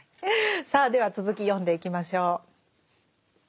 さあでは続き読んでいきましょう。